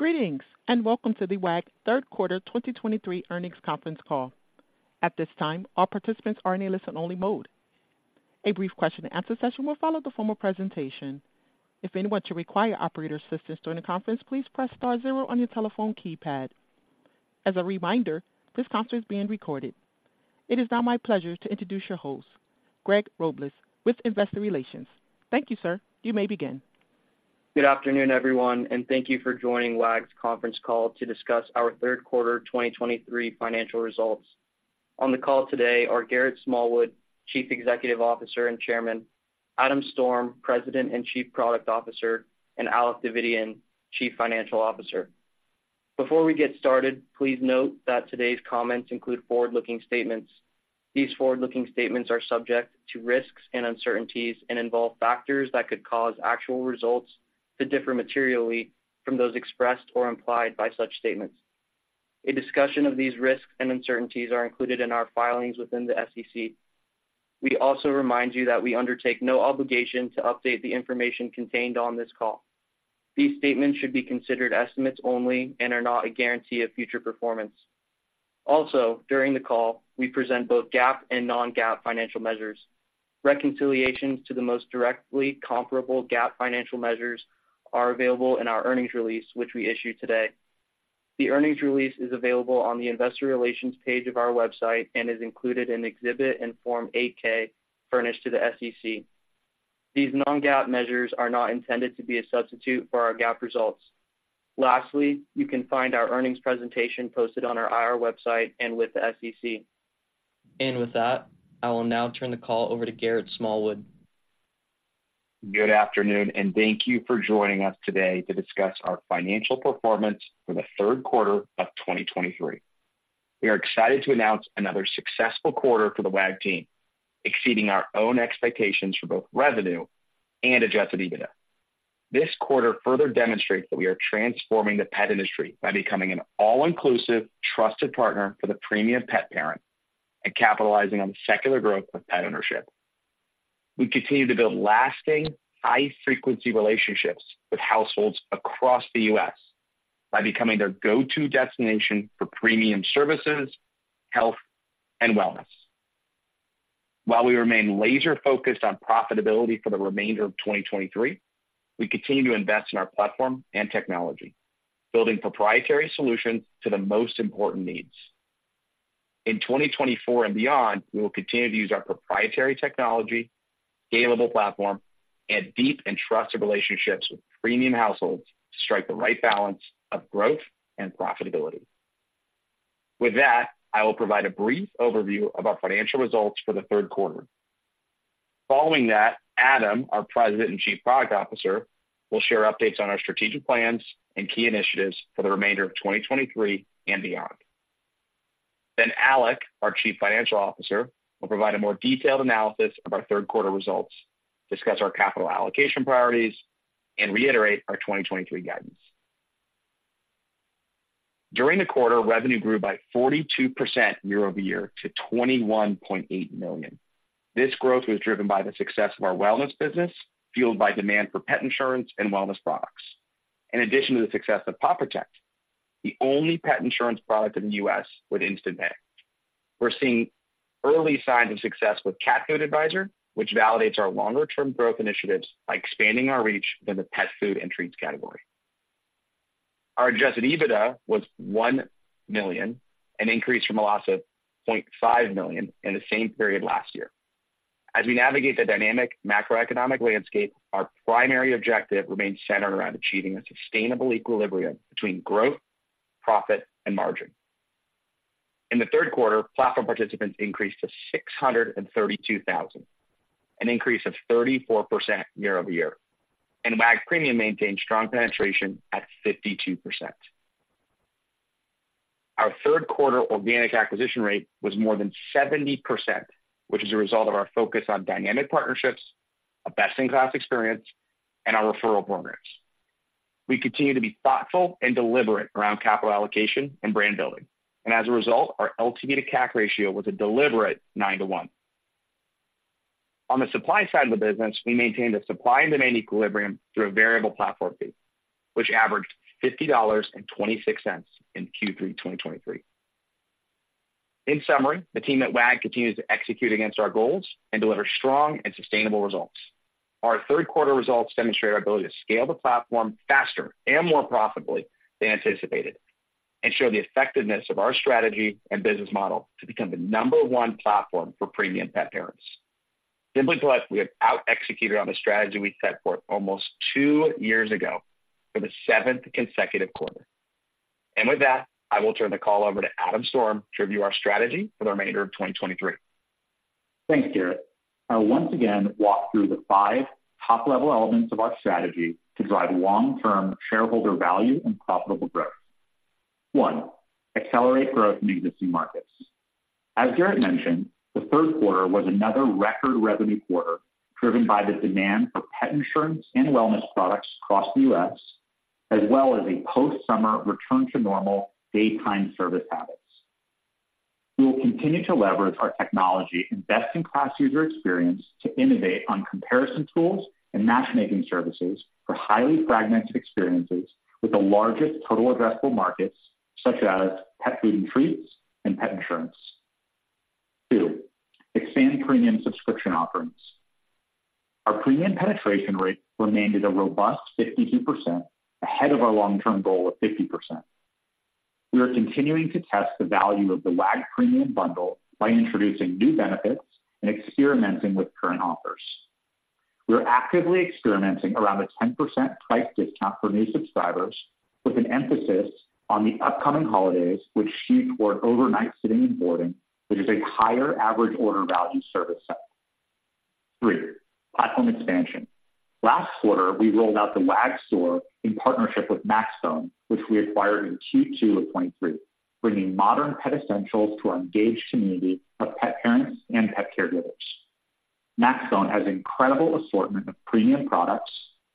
Greetings, and welcome to the Wag! Third Quarter 2023 Earnings Conference Call. At this time, all participants are in a listen-only mode. A brief Q&A session will follow the formal presentation. If anyone should require operator assistance during the conference, please press star zero on your telephone keypad. As a reminder, this conference is being recorded. It is now my pleasure to introduce your host, Greg Robles, with Investor Relations. Thank you, sir. You may begin. Good afternoon, everyone, and thank you for joining Wag!'s conference call to discuss our third quarter 2023 financial results. On the call today are Garrett Smallwood, Chief Executive Officer and Chairman, Adam Storm, President and Chief Product Officer, and Alec Davidian, Chief Financial Officer. Before we get started, please note that today's comments include forward-looking statements. These forward-looking statements are subject to risks and uncertainties and involve factors that could cause actual results to differ materially from those expressed or implied by such statements. A discussion of these risks and uncertainties are included in our filings within the SEC. We also remind you that we undertake no obligation to update the information contained on this call. These statements should be considered estimates only and are not a guarantee of future performance. Also, during the call, we present both GAAP and non-GAAP financial measures. Reconciliations to the most directly comparable GAAP financial measures are available in our earnings release, which we issued today. The earnings release is available on the investor relations page of our website and is included in Exhibit and Form 8-K, furnished to the SEC. These non-GAAP measures are not intended to be a substitute for our GAAP results. Lastly, you can find our earnings presentation posted on our IR website and with the SEC. And with that, I will now turn the call over to Garrett Smallwood. Good afternoon, and thank you for joining us today to discuss our financial performance for the third quarter of 2023. We are excited to announce another successful quarter for the Wag! team, exceeding our own expectations for both revenue and adjusted EBITDA. This quarter further demonstrates that we are transforming the pet industry by becoming an all-inclusive, trusted partner for the premium pet parent and capitalizing on the secular growth of pet ownership. We continue to build lasting, high-frequency relationships with households across the U.S. by becoming their go-to destination for premium services, health, and wellness. While we remain laser-focused on profitability for the remainder of 2023, we continue to invest in our platform and technology, building proprietary solutions to the most important needs. In 2024 and beyond, we will continue to use our proprietary technology, scalable platform, and deep and trusted relationships with premium households to strike the right balance of growth and profitability. With that, I will provide a brief overview of our financial results for the third quarter. Following that, Adam, our President and Chief Product Officer, will share updates on our strategic plans and key initiatives for the remainder of 2023 and beyond. Then Alec, our Chief Financial Officer, will provide a more detailed analysis of our third quarter results, discuss our capital allocation priorities, and reiterate our 2023 guidance. During the quarter, revenue grew by 42% year-over-year to $21.8 million. This growth was driven by the success of our wellness business, fueled by demand for pet insurance and wellness products. In addition to the success of Paw Protect, the only pet insurance product in the U.S. with instant pay, we're seeing early signs of success with Cat Food Advisor, which validates our longer-term growth initiatives by expanding our reach in the pet food and treats category. Our adjusted EBITDA was $1 million, an increase from a loss of $0.5 million in the same period last year. As we navigate the dynamic macroeconomic landscape, our primary objective remains centered around achieving a sustainable equilibrium between growth, profit, and margin. In the third quarter, Platform Participants increased to 632,000, an increase of 34% year-over-year, and Wag! Premium maintained strong penetration at 52%. Our third quarter organic acquisition rate was more than 70%, which is a result of our focus on dynamic partnerships, a best-in-class experience, and our referral programs. We continue to be thoughtful and deliberate around capital allocation and brand building, and as a result, our LTV to CAC ratio was a deliberate 9:1. On the supply side of the business, we maintained a supply and demand equilibrium through a variable platform fee, which averaged $50.26 in Q3 2023. In summary, the team at Wag! continues to execute against our goals and deliver strong and sustainable results. Our third quarter results demonstrate our ability to scale the platform faster and more profitably than anticipated and show the effectiveness of our strategy and business model to become the number one platform for premium pet parents. Simply put, we have out-executed on the strategy we set forth almost two years ago for the seventh consecutive quarter. And with that, I will turn the call over to Adam Storm to review our strategy for the remainder of 2023. Thanks, Garrett. I'll once again walk through the five top-level elements of our strategy to drive long-term shareholder value and profitable growth. One, accelerate growth in existing markets. As Garrett mentioned, the third quarter was another record revenue quarter, driven by the demand for pet insurance and wellness products across the U.S., as well as a post-summer return to normal daytime service habits. We will continue to leverage our technology and best-in-class user experience to innovate on comparison tools and matchmaking services for highly fragmented experiences with the largest total addressable markets, such as pet food and treats, and pet insurance. Two, expand premium subscription offerings. Our premium penetration rate remained at a robust 52%, ahead of our long-term goal of 50%. We are continuing to test the value of the Wag! Premium bundle by introducing new benefits and experimenting with current offers. We are actively experimenting around a 10% price discount for new subscribers, with an emphasis on the upcoming holidays, which skew toward overnight sitting and boarding, which is a higher average order value service set. Three, platform expansion. Last quarter, we rolled out the Wag! Store in partnership with maxbone, which we acquired in Q2 of 2023, bringing modern pet essentials to our engaged community of pet parents and pet caregivers. Maxbone has incredible assortment of premium products,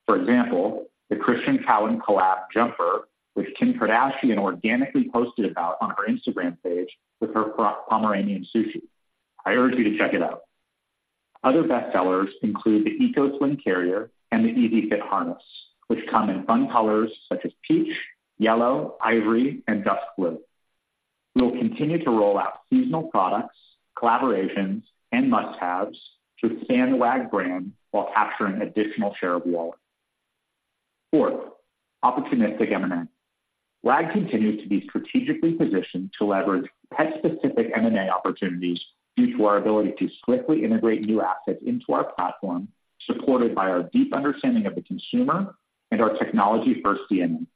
for example, the Christian Cowan collab jumper, which Kim Kardashian organically posted about on her Instagram page with her Pomeranian, Sushi. I urge you to check it out. Other bestsellers include the Eco Sling Carrier and the Easy Fit Harness, which come in fun colors such as peach, yellow, ivory, and dust blue. We will continue to roll out seasonal products, collaborations, and must-haves to expand the Wag! brand while capturing additional share of wallet. Fourth, opportunistic M&A. Wag! continues to be strategically positioned to leverage pet-specific M&A opportunities due to our ability to swiftly integrate new assets into our platform, supported by our deep understanding of the consumer and our technology-first DNA.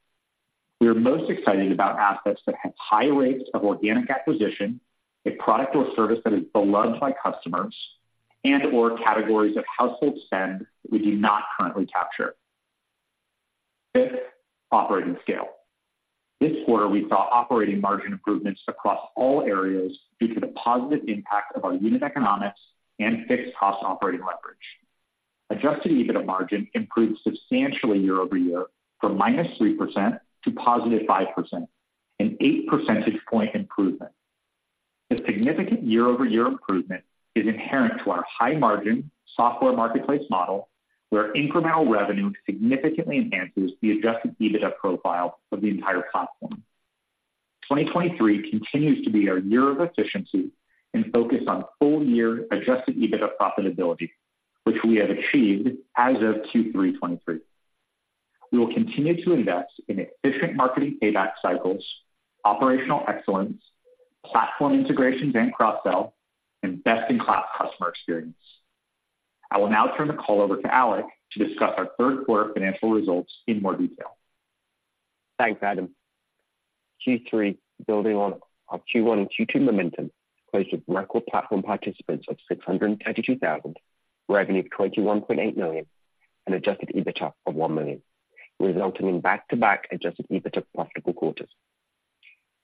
We are most excited about assets that have high rates of organic acquisition, a product or service that is beloved by customers, and/or categories of household spend that we do not currently capture. Fifth, operating scale. This quarter, we saw operating margin improvements across all areas due to the positive impact of our unit economics and fixed cost operating leverage. Adjusted EBITDA margin improved substantially year-over-year from -3% to +5%, an eight percentage point improvement. This significant year-over-year improvement is inherent to our high-margin software marketplace model, where incremental revenue significantly enhances the adjusted EBITDA profile of the entire platform. 2023 continues to be our year of efficiency and focus on full year adjusted EBITDA profitability, which we have achieved as of Q3 2023. We will continue to invest in efficient marketing payback cycles, operational excellence, platform integration and cross-sell, and best-in-class customer experience. I will now turn the call over to Alec to discuss our third quarter financial results in more detail. Thanks, Adam. Q3, building on our Q1 and Q2 momentum, placed with record Platform Participants of 632,000, revenue of $21.8 million, and adjusted EBITDA of $1 million, resulting in back-to-back adjusted EBITDA profitable quarters.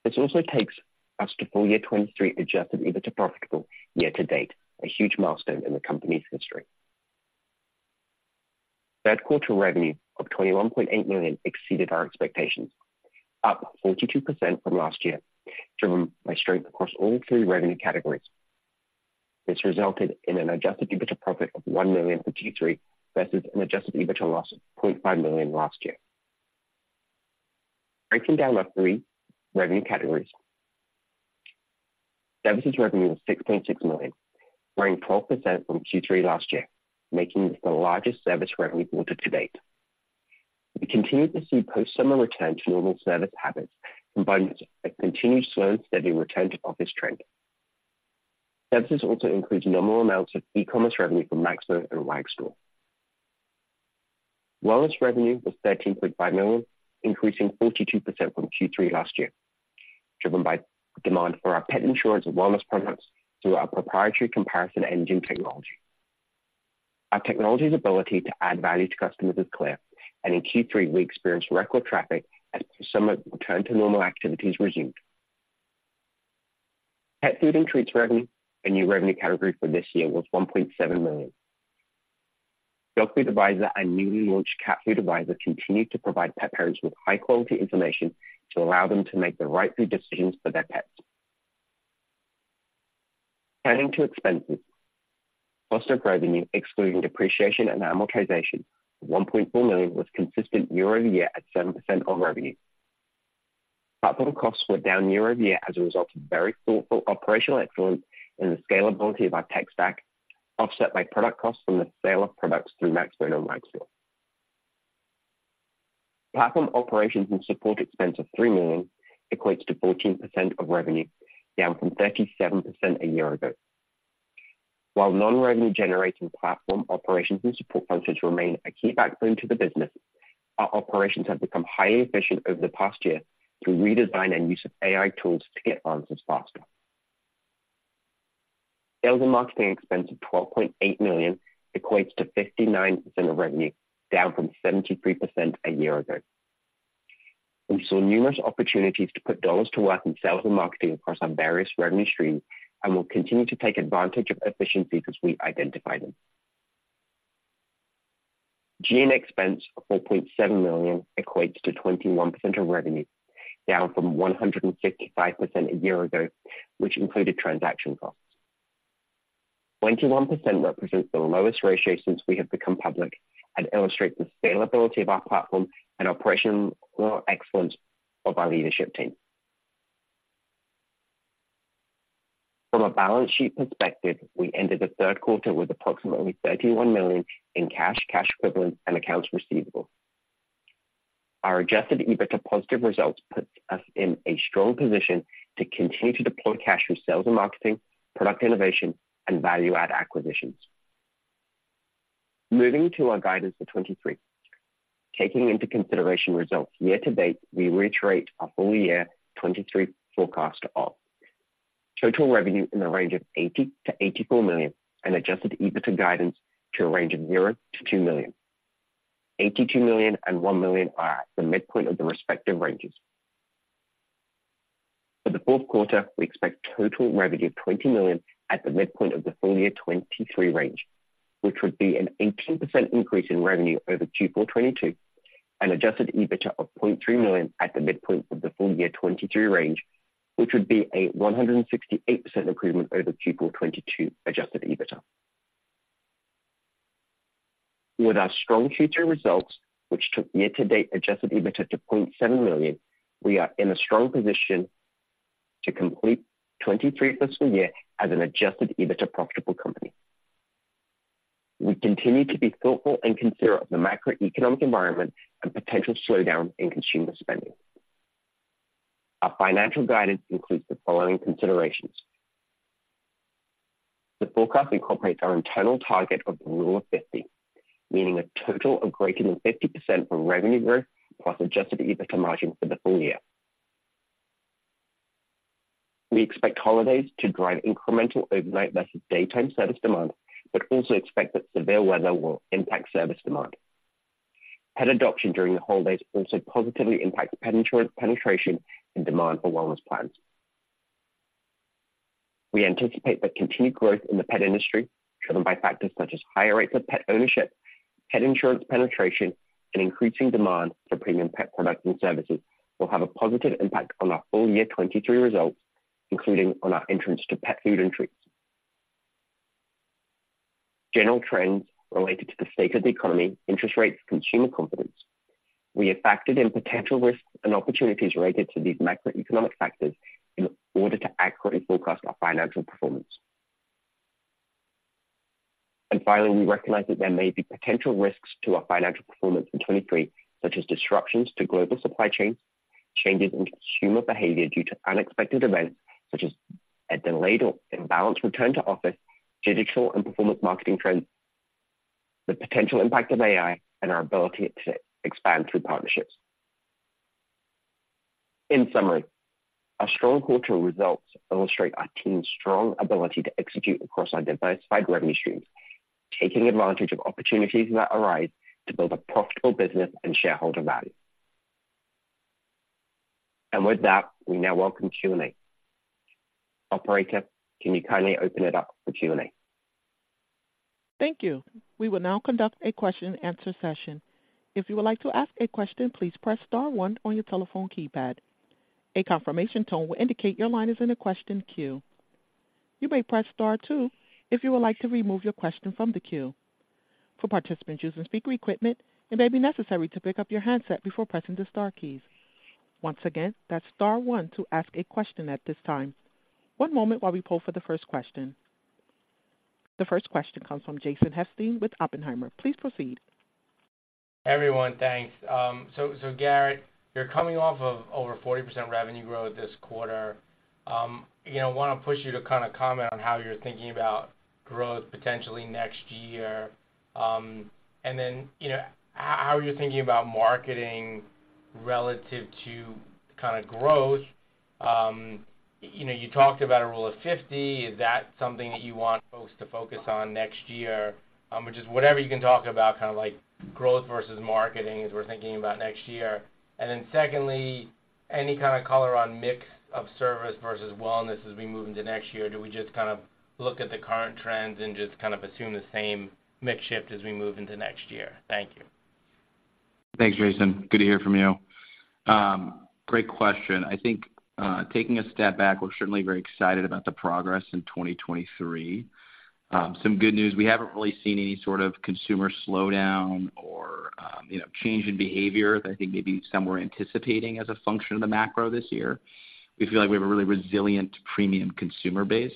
This also takes us to full year 2023 adjusted EBITDA profitable year to date, a huge milestone in the company's history. Third quarter revenue of $21.8 million exceeded our expectations, up 42% from last year, driven by strength across all three revenue categories. This resulted in an adjusted EBITDA profit of $1 million for Q3, versus an adjusted EBITDA loss of $0.5 million last year. Breaking down the three revenue categories. Services revenue was $6.6 million, growing 12% from Q3 last year, making this the largest service revenue quarter to date. We continued to see post-summer return to normal service habits, combined with a continued slow and steady return to office trend. Services also includes nominal amounts of e-commerce revenue from maxbone and Wag! Store. Wellness revenue was $13.5 million, increasing 42% from Q3 last year, driven by demand for our pet insurance and wellness products through our proprietary comparison engine technology. Our technology's ability to add value to customers is clear, and in Q3, we experienced record traffic as summer return to normal activities resumed. Pet food and treats revenue, a new revenue category for this year, was $1.7 million. Dog Food Advisor and newly launched Cat Food Advisor continue to provide pet parents with high-quality information to allow them to make the right food decisions for their pets. Turning to expenses. Cost of revenue, excluding depreciation and amortization, of $1.4 million, was consistent year-over-year at 7% of revenue. Platform costs were down year-over-year as a result of very thoughtful operational excellence and the scalability of our tech stack, offset by product costs from the sale of products through maxbone and Wag! Store. Platform operations and support expense of $3 million equates to 14% of revenue, down from 37% a year ago. While non-revenue generating platform operations and support functions remain a key backbone to the business, our operations have become highly efficient over the past year through redesign and use of AI tools to get answers faster. Sales and marketing expense of $12.8 million equates to 59% of revenue, down from 73% a year ago. We saw numerous opportunities to put dollars to work in sales and marketing across our various revenue streams and will continue to take advantage of efficiencies as we identify them. G&A expense of $4.7 million equates to 21% of revenue, down from 165% a year ago, which included transaction costs. 21% represents the lowest ratio since we have become public and illustrates the scalability of our platform and operational excellence of our leadership team. From a balance sheet perspective, we ended the third quarter with approximately $31 million in cash, cash equivalent, and accounts receivable. Our adjusted EBITDA positive results puts us in a strong position to continue to deploy cash for sales and marketing, product innovation, and value-add acquisitions. Moving to our guidance for 2023. Taking into consideration results year-to-date, we reiterate our full year 2023 forecast of: total revenue in the range of $80 million-$84 million and adjusted EBITDA guidance to a range of $0-$2 million. $82 million and $1 million are at the midpoint of the respective ranges. For the fourth quarter, we expect total revenue of $20 million at the midpoint of the full year 2023 range, which would be an 18% increase in revenue over Q4 2022, and adjusted EBITDA of $0.3 million at the midpoint of the full year 2023 range, which would be a 168% improvement over Q4 2022 adjusted EBITDA. With our strong Q2 results, which took year-to-date adjusted EBITDA to $0.7 million, we are in a strong position to complete 2023 fiscal year as an adjusted EBITDA profitable company. We continue to be thoughtful and consider the macroeconomic environment and potential slowdown in consumer spending. Our financial guidance includes the following considerations. The forecast incorporates our internal target of the Rule of 50, meaning a total of greater than 50% for revenue growth, plus adjusted EBITDA margin for the full year. We expect holidays to drive incremental overnight versus daytime service demand, but also expect that severe weather will impact service demand. Pet adoption during the holidays also positively impacts pet insurance penetration and demand for wellness plans. We anticipate that continued growth in the pet industry, driven by factors such as higher rates of pet ownership, pet insurance penetration, and increasing demand for premium pet products and services, will have a positive impact on our full year 2023 results, including on our entrance to pet food and treats. General trends related to the state of the economy, interest rates, consumer confidence. We have factored in potential risks and opportunities related to these macroeconomic factors in order to accurately forecast our financial performance. Finally, we recognize that there may be potential risks to our financial performance in 2023, such as disruptions to global supply chains, changes in consumer behavior due to unexpected events such as a delayed or imbalanced return to office, digital and performance marketing trends, the potential impact of AI, and our ability to expand through partnerships. In summary, our strong quarter results illustrate our team's strong ability to execute across our diversified revenue streams, taking advantage of opportunities that arise to build a profitable business and shareholder value. With that, we now welcome Q&A. Operator, can you kindly open it up for Q&A? Thank you. We will now conduct a question and answer session. If you would like to ask a question, please press star one on your telephone keypad. A confirmation tone will indicate your line is in a question queue. You may press star two if you would like to remove your question from the queue. For participants using speaker equipment, it may be necessary to pick up your handset before pressing the star keys. Once again, that's star one to ask a question at this time. One moment while we poll for the first question. The first question comes from Jason Helfstein with Oppenheimer. Please proceed. Everyone, thanks. So Garrett, you're coming off of over 40% revenue growth this quarter. You know, want to push you to kind of comment on how you're thinking about growth potentially next year. And then, you know, how are you thinking about marketing relative to kind of growth? You know, you talked about a Rule of 50. Is that something that you want folks to focus on next year? But just whatever you can talk about, kind of like growth versus marketing as we're thinking about next year. And then secondly, any kind of color on mix of service versus wellness as we move into next year? Do we just kind of look at the current trends and just kind of assume the same mix shift as we move into next year? Thank you. Thanks, Jason. Good to hear from you. Great question. I think, taking a step back, we're certainly very excited about the progress in 2023. Some good news, we haven't really seen any sort of consumer slowdown or, you know, change in behavior that I think maybe some were anticipating as a function of the macro this year. We feel like we have a really resilient premium consumer base.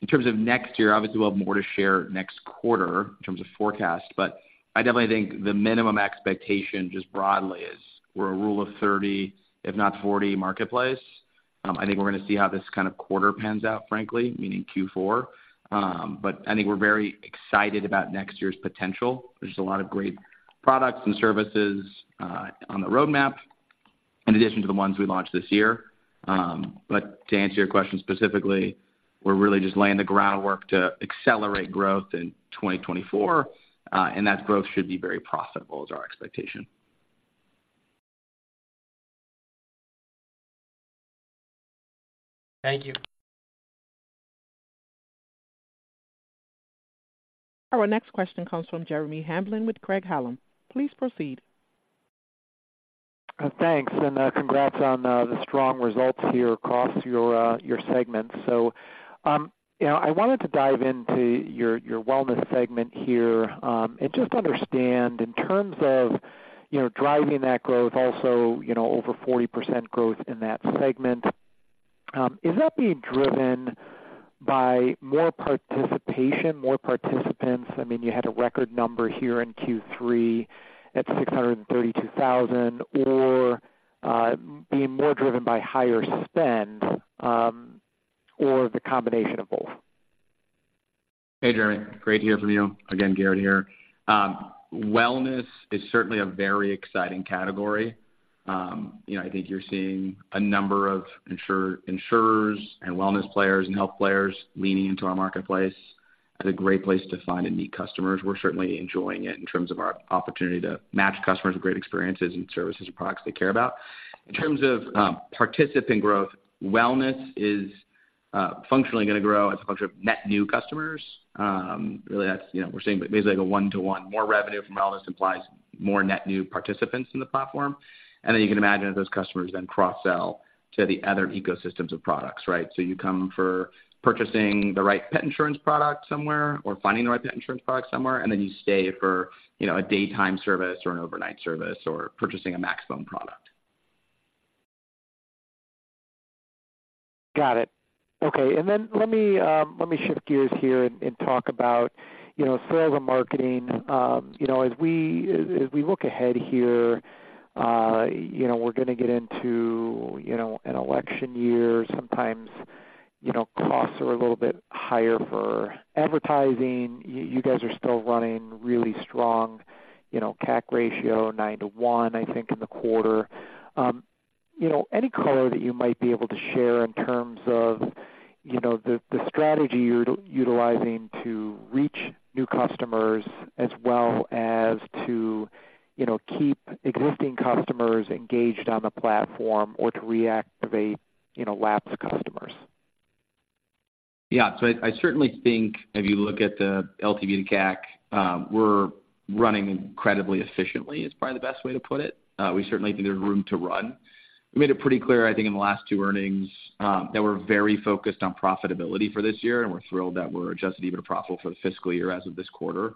In terms of next year, obviously, we'll have more to share next quarter in terms of forecast, but I definitely think the minimum expectation, just broadly, is we're a Rule of 30, if not 40 marketplace. I think we're gonna see how this kind of quarter pans out, frankly, meaning Q4. But I think we're very excited about next year's potential. There's a lot of great products and services on the roadmap in addition to the ones we launched this year. But to answer your question specifically, we're really just laying the groundwork to accelerate growth in 2024, and that growth should be very profitable, is our expectation. Thank you. Our next question comes from Jeremy Hamblin with Craig-Hallum. Please proceed. Thanks, and congrats on the strong results here across your your segment. So, you know, I wanted to dive into your your wellness segment here, and just understand in terms of, you know, driving that growth also, you know, over 40% growth in that segment, is that being driven by more participation, more participants? I mean, you had a record number here in Q3 at 632,000, or being more driven by higher spend, or the combination of both? Hey, Jeremy, great to hear from you. Again, Garrett here. Wellness is certainly a very exciting category. You know, I think you're seeing a number of insurers and wellness players and health players leaning into our marketplace. It's a great place to find and meet customers. We're certainly enjoying it in terms of our opportunity to match customers with great experiences and services and products they care about. In terms of participant growth, wellness is functionally gonna grow as a function of net new customers. Really, that's, you know, we're seeing basically like a one-to-one. More revenue from wellness implies more net new participants in the platform, and then you can imagine that those customers then cross-sell to the other ecosystems of products, right? So you come for purchasing the right pet insurance product somewhere or finding the right pet insurance product somewhere, and then you stay for, you know, a daytime service or an overnight service or purchasing a maxbone product. Got it. Okay, and then let me let me shift gears here and talk about, you know, sales and marketing. You know, as we as we look ahead here, you know, we're gonna get into, you know, an election year. Sometimes, you know, costs are a little bit higher for advertising. You guys are still running really strong, you know, CAC ratio, 9:1, I think, in the quarter. You know, any color that you might be able to share in terms of, you know, the the strategy you're utilizing to reach new customers, as well as to, you know, keep existing customers engaged on the platform or to reactivate, you know, lapsed customers? Yeah, so I, I certainly think if you look at the LTV to CAC, we're running incredibly efficiently, is probably the best way to put it. We certainly think there's room to run. We made it pretty clear, I think, in the last two earnings, that we're very focused on profitability for this year, and we're thrilled that we're adjusted EBITDA profitable for the fiscal year as of this quarter.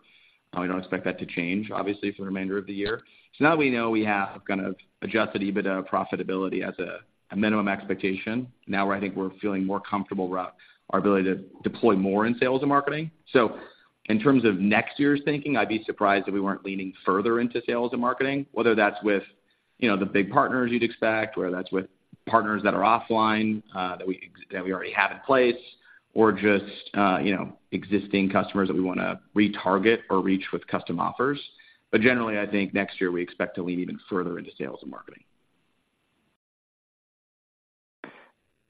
We don't expect that to change, obviously, for the remainder of the year. So now that we know we have kind of Adjusted EBITDA profitability as a, a minimum expectation, now I think we're feeling more comfortable with our, our ability to deploy more in sales and marketing. So in terms of next year's thinking, I'd be surprised if we weren't leaning further into sales and marketing, whether that's with, you know, the big partners you'd expect, whether that's with partners that are offline, that we already have in place, or just, you know, existing customers that we wanna retarget or reach with custom offers. But generally, I think next year we expect to lean even further into sales and marketing.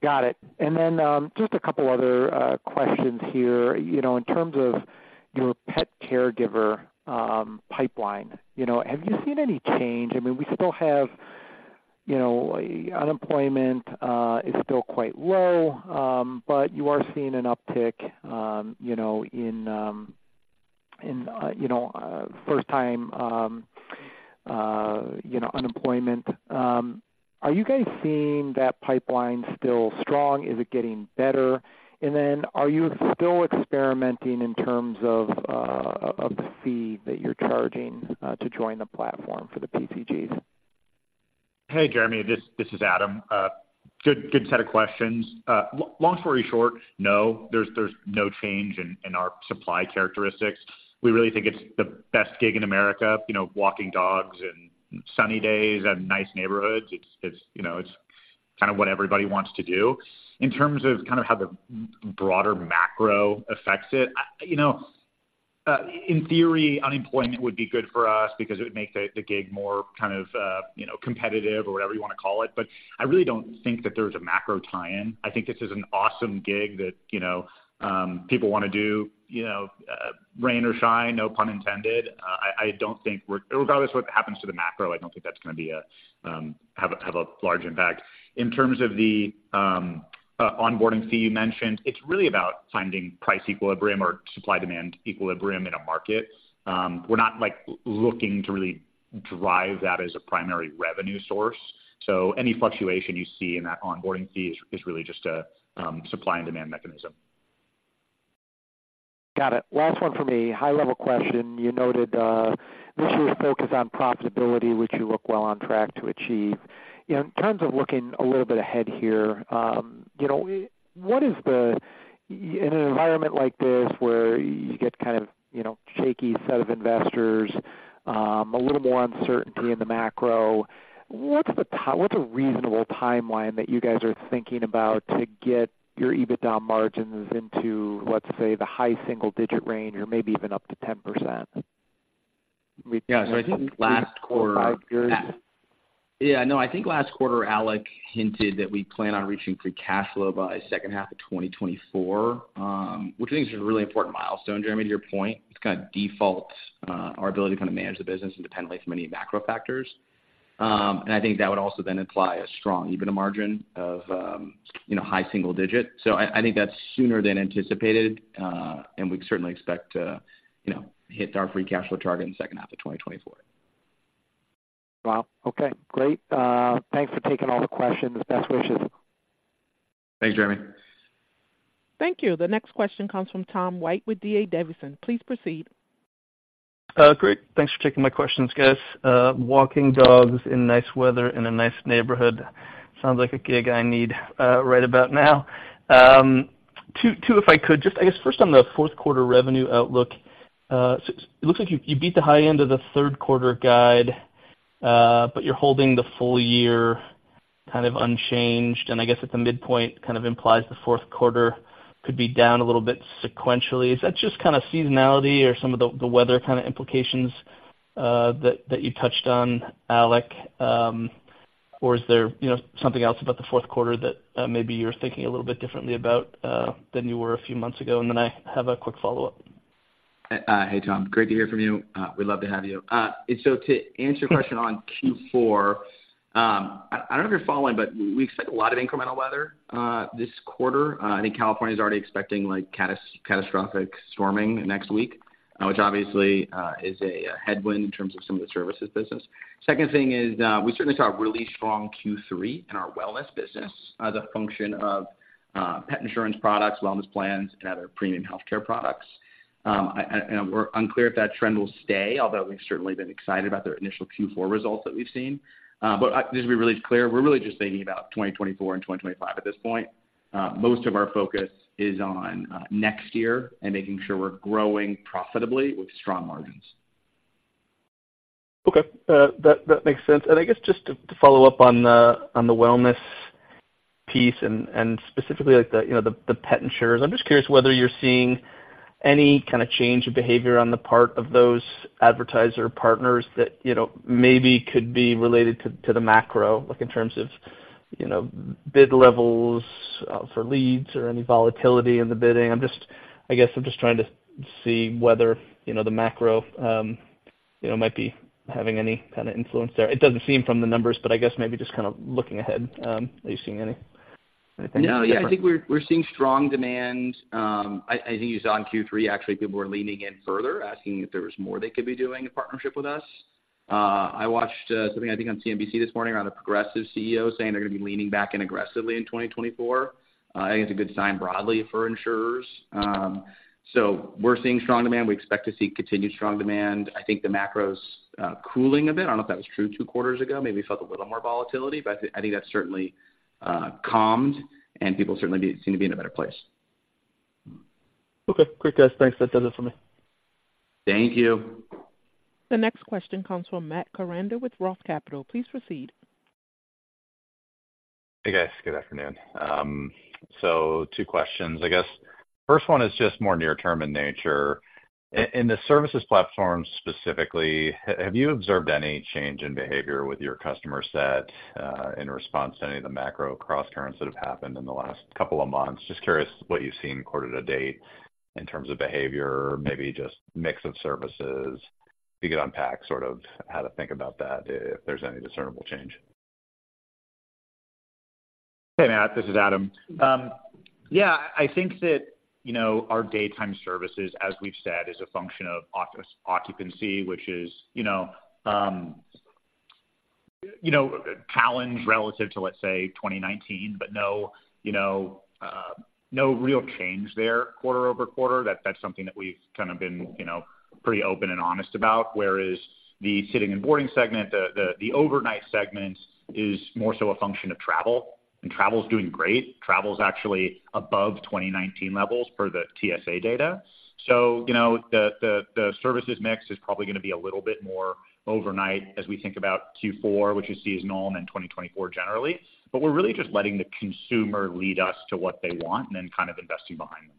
Got it. And then, just a couple other questions here. You know, in terms of your pet caregiver pipeline, you know, have you seen any change? I mean, we still have, you know, unemployment is still quite low, but you are seeing an uptick, you know, in first-time unemployment. Are you guys seeing that pipeline still strong? Is it getting better? And then are you still experimenting in terms of the fee that you're charging to join the platform for the PCGs? Hey, Jeremy, this is Adam. Good set of questions. Long story short, no, there's no change in our supply characteristics. We really think it's the best gig in America, you know, walking dogs and sunny days and nice neighborhoods. It's you know it's kind of what everybody wants to do. In terms of kind of how the broader macro affects it, you know, in theory, unemployment would be good for us because it would make the gig more kind of, you know, competitive or whatever you wanna call it, but I really don't think that there's a macro tie-in. I think this is an awesome gig that, you know, people wanna do, you know, rain or shine, no pun intended. I don't think we're. Regardless of what happens to the macro, I don't think that's gonna be a have a large impact. In terms of the onboarding fee you mentioned, it's really about finding price equilibrium or supply-demand equilibrium in a market. We're not, like, looking to really drive that as a primary revenue source, so any fluctuation you see in that onboarding fee is really just a supply and demand mechanism. Got it. Last one for me, high-level question: You noted, this year's focus on profitability, which you look well on track to achieve. In terms of looking a little bit ahead here, you know, what is the... In an environment like this, where you get kind of, you know, shaky set of investors, a little more uncertainty in the macro, what's a reasonable timeline that you guys are thinking about to get your EBITDA margins into, let's say, the high single-digit range or maybe even up to 10%? Yeah, so I think last quarter. Yeah, no, I think last quarter, Alec hinted that we plan on reaching free cash flow by second half of 2024, which I think is a really important milestone, Jeremy, to your point. It's gonna default our ability to kind of manage the business independently from any macro factors. And I think that would also then imply a strong EBITDA margin of, you know, high single digit. So I think that's sooner than anticipated, and we certainly expect to, you know, hit our free cash flow target in the second half of 2024. Wow. Okay, great. Thanks for taking all the questions. Best wishes. Thanks, Jeremy. Thank you. The next question comes from Tom White with D.A. Davidson. Please proceed. Great. Thanks for taking my questions, guys. Walking dogs in nice weather, in a nice neighborhood, sounds like a gig I need, right about now. If I could, just, I guess, first on the fourth quarter revenue outlook. So it looks like you beat the high end of the third quarter guide, but you're holding the full year kind of unchanged, and I guess at the midpoint, kind of implies the fourth quarter could be down a little bit sequentially. Is that just kinda seasonality or some of the weather kinda implications that you touched on, Alec? Or is there, you know, something else about the fourth quarter that maybe you're thinking a little bit differently about than you were a few months ago? And then I have a quick follow-up. Hey, Tom. Great to hear from you. We love to have you. So, to answer your question on Q4, I don't know if you're following, but we expect a lot of inclement weather this quarter. I think California is already expecting, like, catastrophic storming next week, which obviously is a headwind in terms of some of the services business. Second thing is, we certainly saw a really strong Q3 in our wellness business as a function of pet insurance products, wellness plans, and other premium healthcare products. We're unclear if that trend will stay, although we've certainly been excited about their initial Q4 results that we've seen. But just to be really clear, we're really just thinking about 2024 and 2025 at this point. Most of our focus is on next year and making sure we're growing profitably with strong margins. Okay, that makes sense. And I guess just to follow up on the wellness piece and specifically like the, you know, the pet insurers, I'm just curious whether you're seeing any kinda change of behavior on the part of those advertiser partners that, you know, maybe could be related to the macro, like in terms of, you know, bid levels for leads or any volatility in the bidding. I'm just—I guess I'm just trying to see whether, you know, the macro, you know, might be having any kinda influence there. It doesn't seem from the numbers, but I guess maybe just kind of looking ahead, are you seeing anything different? No, yeah, I think we're seeing strong demand. I think you saw on Q3, actually, people were leaning in further, asking if there was more they could be doing in partnership with us. I watched something, I think on CNBC this morning, around a Progressive CEO saying they're gonna be leaning back in aggressively in 2024. I think it's a good sign broadly for insurers. So we're seeing strong demand. We expect to see continued strong demand. I think the macro's cooling a bit. I don't know if that was true two quarters ago. Maybe we felt a little more volatility, but I think that's certainly calmed, and people certainly do seem to be in a better place. Okay, great, guys. Thanks. That does it for me. Thank you. The next question comes from Matt Koranda with Roth Capital. Please proceed. Hey, guys. Good afternoon. So two questions. I guess, first one is just more near term in nature. In the services platform specifically, have you observed any change in behavior with your customer set, in response to any of the macro crosscurrents that have happened in the last couple of months? Just curious what you've seen quarter to date in terms of behavior, maybe just mix of services. If you could unpack sort of how to think about that, if there's any discernible change. Hey, Matt, this is Adam. Yeah, I think that, you know, our daytime services, as we've said, is a function of occupancy, which is, you know, challenged relative to, let's say, 2019, but no, you know, no real change there quarter over quarter. That's something that we've kinda been, you know, pretty open and honest about. Whereas the sitting and boarding segment, the overnight segment is more so a function of travel, and travel is doing great. Travel is actually above 2019 levels for the TSA data. So, you know, the services mix is probably gonna be a little bit more overnight as we think about Q4, which is seasonal, than 2024 generally. But we're really just letting the consumer lead us to what they want and then kind of investing behind them.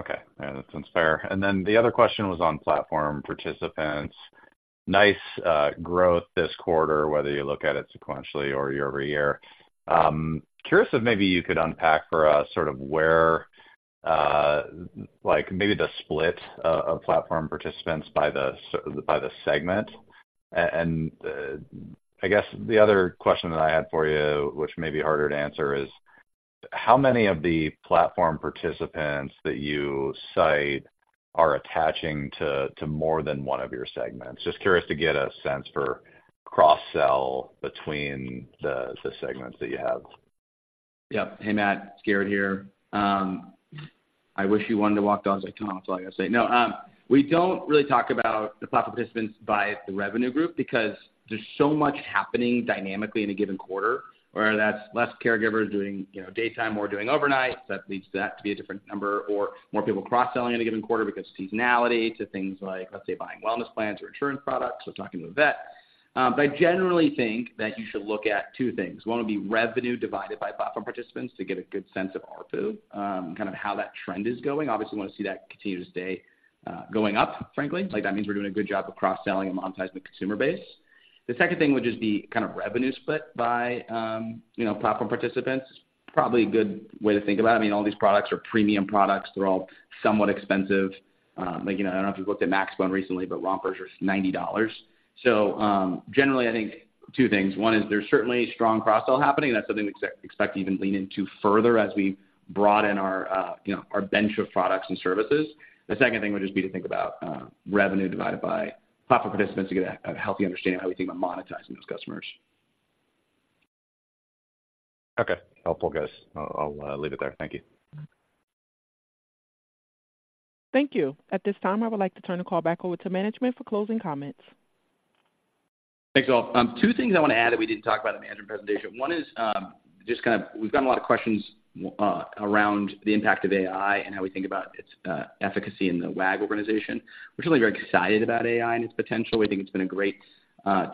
Okay, yeah, that's fair. And then the other question was on Platform Participants. Nice growth this quarter, whether you look at it sequentially or year-over-year. Curious if maybe you could unpack for us sort of where, like maybe the split of Platform Participants by the segment. And I guess the other question that I had for you, which may be harder to answer, is how many of the Platform Participants that you cite are attaching to more than one of your segments? Just curious to get a sense for cross-sell between the segments that you have. Yep. Hey, Matt, it's Garrett here. I wish you wanted to walk dogs like Tom, so I gotta say. No, we don't really talk about the Platform Participants by the revenue group because there's so much happening dynamically in a given quarter, whether that's less caregivers doing, you know, daytime or doing overnight. So that leads to that to be a different number or more people cross-selling in a given quarter because seasonality to things like, let's say, buying wellness plans or insurance products or talking to a vet. But I generally think that you should look at two things. One would be revenue divided by Platform Participants to get a good sense of ARPU, kind of how that trend is going. Obviously, want to see that continue to stay going up, frankly. Like, that means we're doing a good job of cross-selling and monetizing the consumer base. The second thing would just be kind of revenue split by, you know, Platform Participants. Probably a good way to think about it. I mean, all these products are premium products. They're all somewhat expensive. Like, you know, I don't know if you've looked at maxbone recently, but Rompers are $90. So, generally, I think two things. One is there's certainly strong cross-sell happening, and that's something we expect to even lean into further as we broaden our, you know, our bench of products and services. The second thing would just be to think about, revenue divided by Platform Participants to get a healthy understanding of how we think about monetizing those customers. Okay, helpful, guys. I'll leave it there. Thank you. Thank you. At this time, I would like to turn the call back over to management for closing comments. Thanks, all. Two things I wanna add that we didn't talk about in the management presentation. One is, just kind of we've gotten a lot of questions around the impact of AI and how we think about its efficacy in the Wag! organization. We're really very excited about AI and its potential. We think it's been a great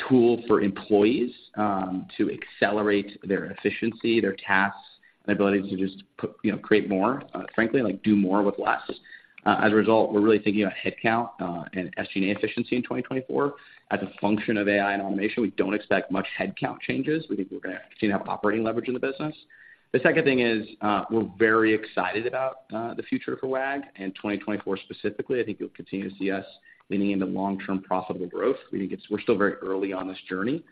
tool for employees to accelerate their efficiency, their tasks, and ability to just put, you know, create more, frankly, like, do more with less. As a result, we're really thinking about headcount and SG&A efficiency in 2024 as a function of AI and automation. We don't expect much headcount changes. We think we're gonna see an operating leverage in the business. The second thing is, we're very excited about the future for Wag! and 2024 specifically. I think you'll continue to see us leaning into long-term profitable growth. We think it's. We're still very early on this journey.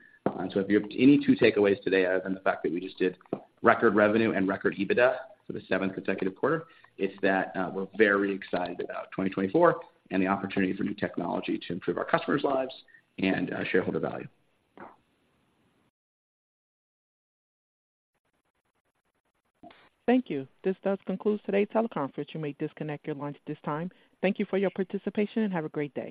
So if you have any two takeaways today, other than the fact that we just did record revenue and record EBITDA for the seventh consecutive quarter, it's that, we're very excited about 2024 and the opportunity for new technology to improve our customers' lives and, shareholder value. Thank you. This does conclude today's teleconference. You may disconnect your lines at this time. Thank you for your participation, and have a great day.